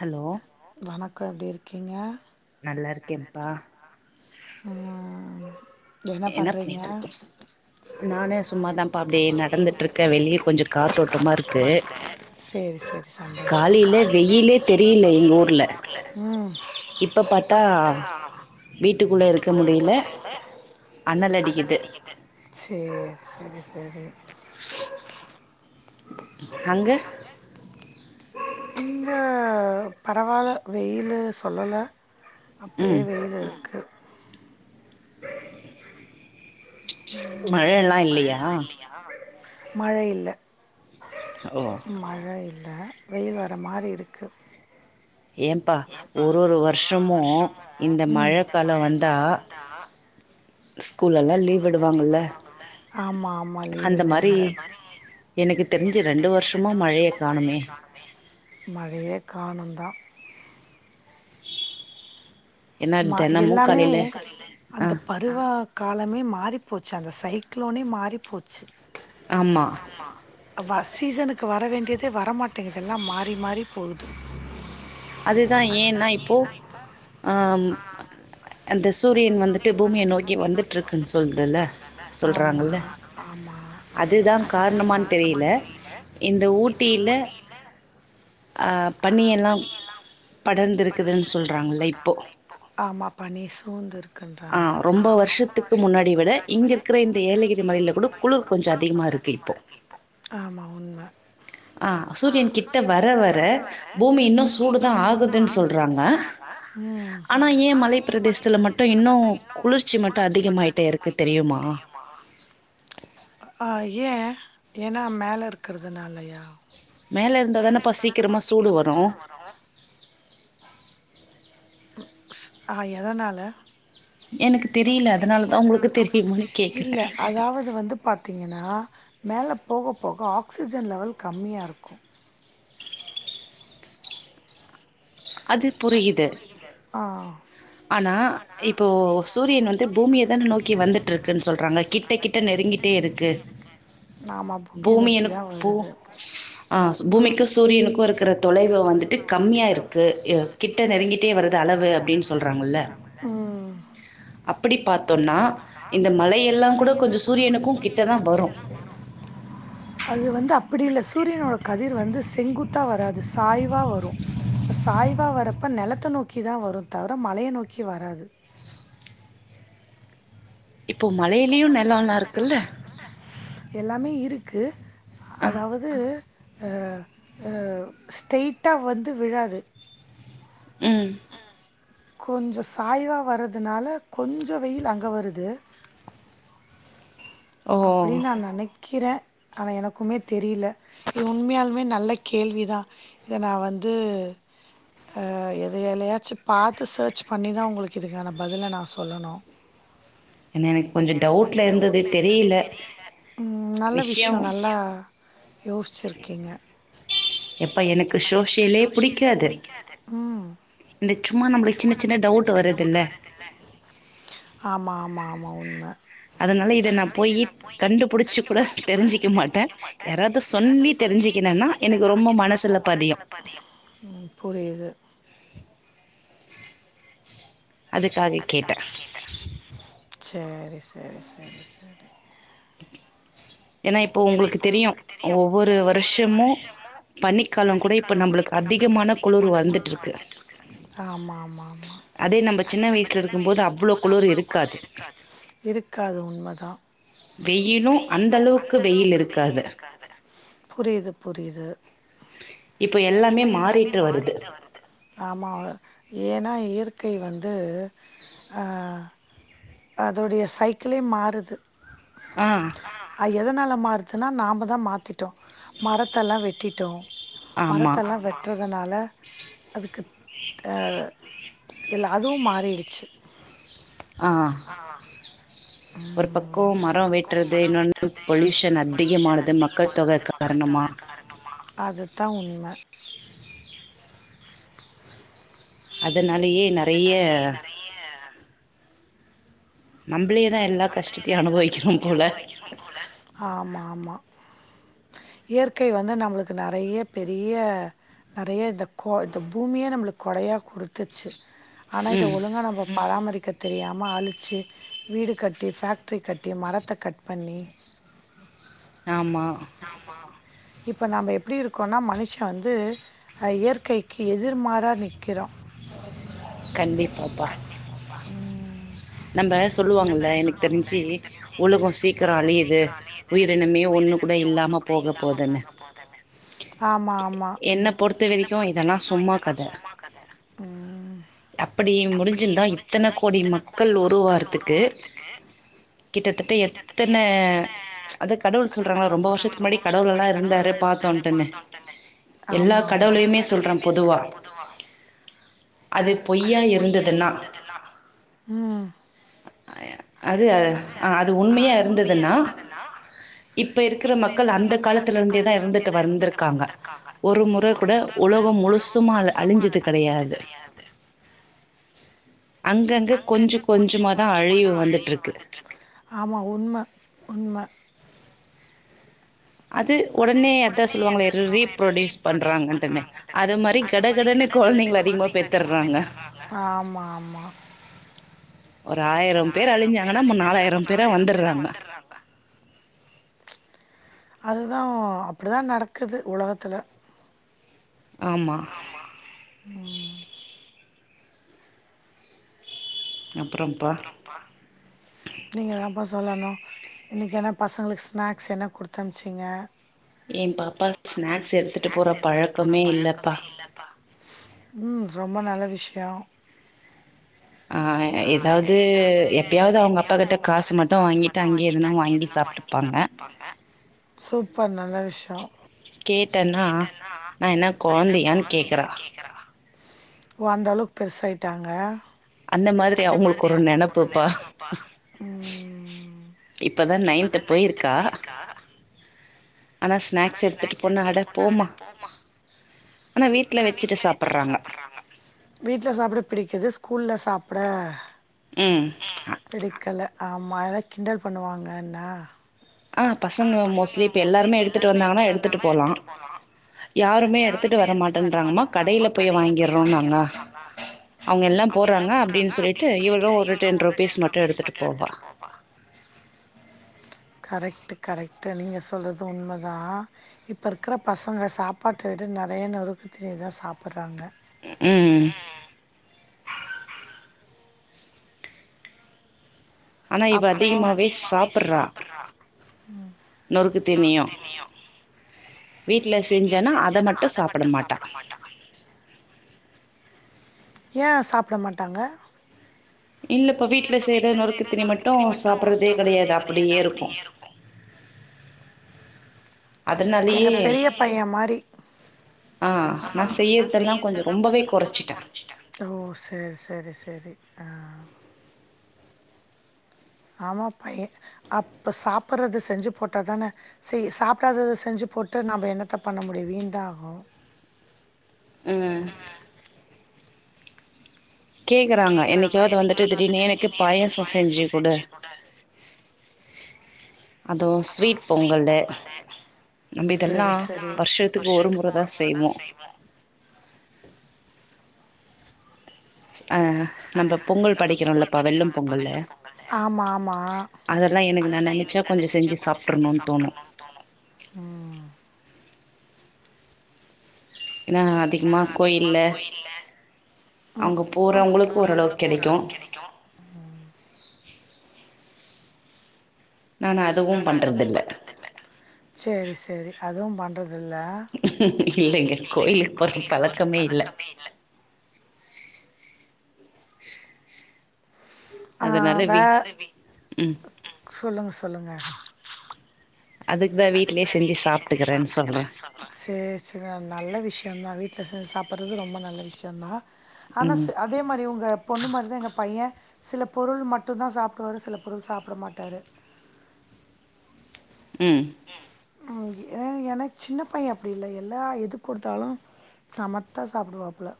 Hello இப்ப எப்டி இருக்கீங்க நல்லா இருக்கே பா ஆ என்ன பண்றீங்க பண்ணிட்டு இருக்க நானே சும்மாதான்ப்பா அப்டியே நடந்துட்டு இருக்கே வெளிய கொஞ்சோ காத்தோட்டமா இருக்கு சேரி சேரி சந்தோஷோ காலையில வெயிலே தெரியல எங்க ஊர்ல ம் இப்ப பாத்தா வீட்டுக்குள்ள இருக்க முடியல அனல் அடிக்குது சேர் சேரி சேரி அங்க இங்க பரவால்ல வெயிலு சொல்லல அப்டியே ம் வெயில் இருக்கு மழயெல்லா இல்லியா மழ இல்ல ஓ மழ இல்ல வெயில் வர மாரி இருக்கு ஏன்ப்பா ஒரு ஒரு வருஷமு இந்த ம் மழ காலோ வந்தா ஸ்கூல் எல்லா லீவ் விடுவாங்கல்ல ஆமா ஆமா லீவ் அந்த மாரி விடுவாங்க‌ எனக்கு தெரிஞ்சு ரெண்டு வருஷமா மழைய காணுமே மழயே காணோங் டா ஏன்னா ம தெனமு எல்லாமே காலையில ஆ அந்த பருவோ காலமே மாறி போச்சு அந்த சைக்லோனே மாறி போச்சு ஆமா வா சீசனுக்கு வர வேண்டியதே வரமாட்டேங்குது எல்லா மாறி மாறி போகுது அதுதா ஏன்னா இப்போ ஆம் வந்துட்டுருக்குன்னு சொல்துல்ல ஆமா சொல்றாங்கல்ல ஆமா அதுதா காரணமான்னு தெரியல இந்த ஊட்டியில ஆ பனியெல்லா படர்ந்திருக்குதுன்னு சொல்றாங்கல்ல இப்போ ஆமா பனிஸ் ஆ பூந்துருக்குன்றாங்க ரொம்ப வருஷத்துக்கு முன்னாடி விட இங்க இருக்கிற இந்த ஏலகிரி மலையில கூட குளிர் கொஞ்சோ அதிகமா இருக்கு இப்போ ஆமா உண்ம ஆ சூரியன் கிட்ட வர வர பூமி இன்னு ம் சூடுதா ஆகுதுன்னு சொல்றாங்க. ஆனா ஏ மலை பிரதேசத்துல மட்டு இன்னு குளிர்ச்சி மட்டு அதிகமாயிட்டே இருக்கு தெரியுமா? ஆய் ஏ ஏன்னா மேல இருக்குறதுனாலையா மேல இருந்தா தானப்பா சீக்குரமா சூடு வரு ம் ஆ எதனால எனக்கு தெரியில அதனாலதா உங்ளுக்கு தெரியுமானு கேக்கற திங்கன்னா மேலே போக போக ஆக்சிஜன் லெவல் கம்மியாருக்கும் அது புரியுது ஆ ஆனா இப்போ சூரியன் வந்து பூமிய தான நோக்கி வந்துட்ருக்குன்னு சொல்றாங்க கிட்ட கிட்ட நெருங்கிடே இருக்கு ஆமாம் பூமியை நோக்கி பூமியனுக்கு தான் பூ வருது ஆ பூமிக்கும் சூரியனுக்கும் இருக்ற தொலைவு வந்துட்டு கம்மியாரு கு ல் கிட்ட நெருங்கிட்டே வருது அளவு அப்டின் சொல்றாங்கல்ல ம் அப்டி பாத்தோனா இந்த மலையெல்லா கூடோ கொஞ்சோ சூரியனுக்கும் கிட்டதா வரும் படில்ல சூரியனோட கதிர் வந்து செங்குத்தா வராது சாய்வா வரும் இப்ப சாய் வா வரப்ப நெலத்த நோக்கி தா வரும் தவிர மலைய நோக்கி வராது இப்போ மலையிலயும் நிலம்லாம் இருக்குல்ல எல்லாமே இருக் கு ஆ அதாவது அ அ ஸ்ட்டைட்டா வந்து விழாது ம் கொஞ்சோ சாய்வா வர்றதுனால கொஞ்சோ வெயில் அங்க வருது ஓ அப்டின் நா நெனைக் கிற ஆனா எனக்குமே தெரில இது உண்மையாலுமே நல்ல கேள்வி தா இத நா வந்து அ எதுலையாச்சு பாத்து சர்ச் பண்ணி தா உங்ளுக்கு இதுக்கான பதில நா சொல்லணு ஏன எனக்கு கொஞ்சோ டவுட்ல இருந்தது தெரியில ம். நல்ல விஷ்யம் விஷயம். நல்லா சி யோசிச்சிருக்கீங்க. எப்ப எனக்கு சோஷியலே புடிக்காது ம். இந்த சும்மா நம்ளுக் சின்ன சின்ன டவுட் வருதுல்ல ஆமா ஆமா ஆமா உண்ம அதனால இத நா போயி கண்டுபிடிச்சு கூட தெரிஞ்சுக்க மாட்ட யாராவது சொல்லி தெரிஞ்சிகினனா எனக்கு ரொம்ப மனசுல பதியு அதுக்காக கேட்ட செரி சரி சரி சரி ஏன்னா இப்போ உங்களுக்கு தெரியு ஒவ்வொரு வருஷமு பனிக்காலம் கூட இப்போ நம்பளுக்கு அதிகமான குளிர் வந்துட்ருக்கு ஆமா ஆமா ஆமா அதே நம்ம சின்ன வயசுல இருக்கும்போது அவ்ளோ குளிர் இருக்காது இருக்காது உண்ம தா வெயிலு அந்த அளவுக்கு வெயில் இருக்காது புரிது புரிது இப்ப எல்லாமே மாறிட்டு வருது ஆமா வ ஏனா இயற்கை வந்து அ அதுடைய சைக்கிளே மாறுது ஆ அ எதனால மாறுதுன்னா நாம தா மாத்திட்டோ மரத்தெல்லா வெட்டிட்டோ ஆமா மரத்தல்லா வெட்றதுனால அதுக்கு தே இல்ல அதுவு மாறிடிச்சி ஆ ஒரு பக்கோ ம். மரொ வெட்டுறது இன்னொன்னு பொலியூஷன் அதிகமானது மக்கள்தொக காரணமா த்தா உண்ம இதனாலயே நெறைய தான் எல்லா நம்மளேதா கஷ்டத்தையும் எல்லா அனுபவிக்கிறோம் கஷ்டத்தையு போல அனுபவிக்கனு போல ஆமா ஆமா இயற்கை வந்து நம்மளுக்கு நெறைய பெரிய நெறைய இந்த கோ இந்த பூமியே நம்மளுக்கு கொடையா குடுத்துச்சி ஆனா இத ம் ஒழுங்கா நம்ம பராம இருக்க தெரியாம ஆழிச்சி வீடு கட்டி ஃபேக்ட்ரி கட்டி மரத்த கட் பண்ணி ஆமா இப்ப நம்ம எப்பிடி இருக்கோன்னா மனுஷன் வந்து இயற்கைக்கு எதிர்மாறா நிக்கிறோ கண்டிப்பாப்பா ம் நம்ம சொல்லுவாங்கள்ல நம்ம எனக்கு சொல்லுவாங்கல்ல தெரிஞ்சு எனக்கு தெரிஞ்சி உலகம் சீக்கிரம் உலகோ அழியுது சீக்கிரோ அழியிது உயிரினமே ஒன்று கூட உயிரினமே ஒண்ணு இல்லாமல் கூட போக இல்லாம போகுதுன்னு போக போதுனு ஆமா ஆ மா என்னை பொறுத்த என்ன வரைக்கும் பொறுத்த இதெல்லாம் வரிக்கு சும்மா இதெல்லா கதை சும்மா கத ம் ப்பிடி முடிஞ்சுருந்தா இத்தன கோடி மக்கள் உருவாறதுக்கு கிட்டத்தட்ட எத்தன அது கடவுள் சொல்கிறாங்களா ரொம்ப வருஷத்துக்கு முன்னாடி கடவுள்ல்லா இருந்தார் பாத்தோன்ட்டுன்னு எல்லா ஆமா ஆமா கடவுளையுமே சொல்றே பொதுவா அதுப் பொய்யா இருந்ததுன்னா ம் அ அது அ அது உண்மயா இருந்ததுன்னா இப்ப இருக்கிற மக்கள் அந்த காலத்துல இருந்தேதா இருந்துட்டு வந்திருக்காங்க ஒரு முறகூட உலகோ முழுசுமா அழிஞ்சது கெடையாது அங்கங்க கொஞ்சோ கொஞ்சமாதா அழிவு வந்துட்டு இருக்கு ஆமா உண்ம உண்ம அது உடனே அதா சொல்லுவாங்களே ரீபுரொடியூஸ் பண்றாங்கட்டுன்னு அது மாரி கடகடன்னு கொழந்தைங்கல அதிகமா பெத்தறாங்க ஆமா ஆமா. ஒரு ஆயிரோ பேர் அழிஞ்சாங்கன்னா நாலாயிரோ பேரா வந்தறாங்க அதுதா அப்பிடி தா நடக்குது உலகத்துல ஆமா ம் அப் அப்புறம்ப்பா நீங்க ப்போ சொல்லணு இன்னிக்கி ஆனா பசங்களுக்கு ஸ்நாக்ஸ் என்ன கொடுத்தமுச்சிங்க என் பாப்பா ஸ்நேக்ஸ் எடுத்துட்டு போற பழக்கமே இல்லப்பா ம் ரொம்ப நல்ல விஷ்யோ அ எதாவது எப்பயாவது அவங்க அப்பாக்கிட்ட காசு மட்டு வாங்கிட்டு அங்கேயே எதுனா வாங்கி சாப்ட்டுப்பாங்க இப்போ நல்ல விஷ்யோ நான் என்ன குழந்தையான்னு கேட்குறா ஓ அந்தளவுக் பெருசாயிட்டாங்க அந்த மாதிரி அவங்களுக்கு ஒரு நெனப்புப்பா ம். இப்போதா நையன்த்து போயிருக்கா ஆனாஸ் ஆனா வீட்ல வச்சுட்டு சாப்புட்றாங்க வீட்ல சாப்புட பிடிக்குதுஸ் ஸ்கூல்ல சாப்புட ம் பிடிக்கல ஆமா அதல்லா கிண்டல் பண்ணுவாங்கன்னா ஆ பசங்க மோஸ்ட்லி இப்ப எல்லாருமே எடுத்துட்டு வந்தாங்கன்னா எடுத்துட்டு போலா யாருமே எடுத்துட்டு வரமாட்டேன்றாங்கம்மா கடையில போய் வாங்கிறோ நாங்க அவங்க எல்லா போடுறாங்க அப்டின் சொல்லிட்டு இவளு ஒரு டென் ருபீஸ் மட்டு எடுத்துட்டு போவா கரெக் ட்டு கரெக்டு நீங்க சொல்றது உண்மதா இப்போ இருக்குற பசங்க சாப்பாட்ட விட்டு நறையா நொறுக்குத் தீணிதா சாப்புறாங்க ம் ஆனா இவ அப்போ அதிகமாவே ம் சாப்புட்றா நொறுக்கு தீனியு வீட்ல செஞ்சனா அத மட்டு சாப்புட மாட்டா ஏ சாப்புட மாட்டாங்க இல்ல இப்ப வீட்ல செய்ற நொறுக்குத் தீனி மட்டு சாப்புடுறதே கெடையாது அப்புடியே இருக்கு அதனாலயே எங்க பெரிய பைய மாரி ஆ நா செய்யறதெல்லா கொஞ்சோ ரொம்பவே கொறச்சிட்டே ஓ சேரி சேரி சேரி ஆ ஆமாப்பா அப்ப சாப்புறது செஞ்சு போட்டாதான செய் சாப்புடாதத செஞ்சு போட்டு நம்ம என்னத்த பண்ண முடியு வீண்தா ஆகு அ கேக்குறாங்க என்னைக்காவது வந்துட்டு திடீர்னு எனக்கு பாயாசோ செஞ்சு குடு அதுவு ஸ்வீட் பொங்கல்லு நம்ம இதெல்லா சேரி சேரி வருஷ்த்துக்கு ஒரு முறதா செய்வோ ஆ நம்ம பொங்கல் படைக்கிறோல்லப்பா வெல்லம் பொங்கலு ஆமா ஆமா ம் அதெல்லா எனக்கு நா நெனச்சா கொஞ்சோ செஞ்சு சாப்ட்றணுன்னு தோணு ஏன்னா அதிகமா கோயில்ல ம் அங்க போறவங்களுக்கு ஓரளவுக்கு கெடைக்கு ம் நான் அதுவு பண்றதில்ல சேரி சேரி அதுவு பண்றது இல்லங்க கோயிலுக்கு போற பழக்கமே இல்ல ஆ அதனால வே வீ ம் சொல்லுங்க சொல்லுங்க அதுக்கு வீட்லயே தா செஞ்சு வீட்லியே செஞ்சி சாப்ட்டுக்கிறேன்னு சாப்பிடுக்கற சொல்றே சொல்லற சாிே சே நல்ல விஷயோதா வீட் ச செ சாப்பறது ரொம்ப நல்ல விஷயந்தா ஆனா ம் செ அதே மாரி உங்க பொண்ணு மாரிதா எங்க பையன் சில பொருள் மாட்டு தா சாப்புடுவாரு சில பொருள் சாப்டமாட்டரு ம் ஏ ஏன்னா சின்ன பைய அப்பிடி இல்ல எல்லா எது கொடுத்தாலு சமத்தா சாப்புடுவாப்புல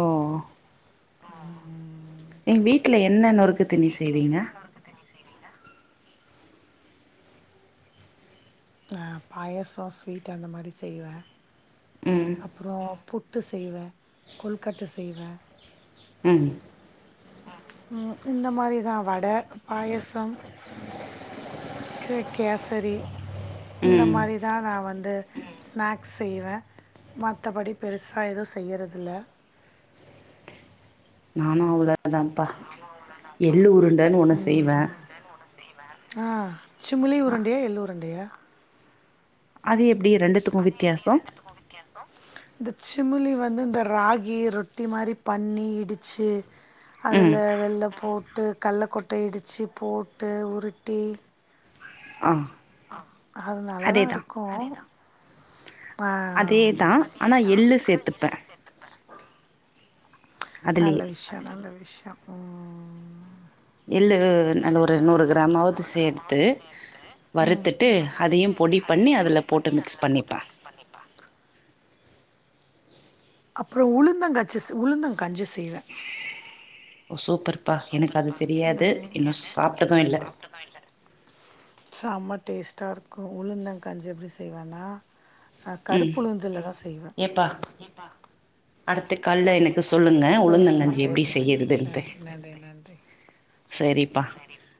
ஓ ஆ எங் வீட்டல எ ன்ன நொறுக்கு தீணி செய்வீங்க நா பாயசோ ஸ்வீட் அந்த மாரி செய்வே ம் அப்புறோ பு ட்டு செய்வே கொல்கட்ட செய்வே ம் ம் இந்த மாரிதா வட பாயசம் கே கேசரி இந்த ம் மாரிதா நா வந்து ஸ்நாக்ஸ் செய்வே மத்தபடி பெருசா எதுவு செய்யறது இல்ல நானு அவுல அதாப்பா எள்ள உருண்டன்னு ஒன்ன செய்வே செய்வே ஆ சுமுலி அ உருண்டையா எள்ளு உருண்டையா அது எப் ப்பிடி ரெண்டுத்துக்கு வித்தியாசோ இந்த சிமிளி வந்து இந்த ராகி ரொட்டி மாரி பண்ணி இடிச்சி ம் அதுல வெள்ளம் போட்டு கல்ல கொட்ட இடிச்சி போட்டு உருட்டி ஆ அது நல்லாதான் இருக்கும் ஆ அதேதான் ஆனா எள்ளு சேத்துப்பேன் நல்ல விஷியம் நல்ல விஷியம் ம் எள்ளு நல்ல ஒரு நூறு கிராமாவது சேத்து ம் வறுத்துட்டு அதையும் பொடி பண்ணி அதுல போட்டு மிக்ஸ் பண்ணிப்ப அப்பறம் உளுந்தங்கச்சி உளுந்தங்கஞ்சி செய்வ ஓ சூப்பர்ப்பா எனக்கு அது தெரியாது இன்னும் சாப்ட்டதும் இல்ல செம டேஸ்ட்டா இருக்கும் உளுந்தங்கஞ்சி எப்டி செய்வேன்னா ஆ ம் கருப்பு உளுந்துலதான் செய்வன் ஏப்பா துக்கால்ல எனக்கு சொல்லுங்க உளுந்தங்கஞ்சி எப்டி பேசலா செய்யறதுன்ட்டு நன்றி நன்றி செரிப்பா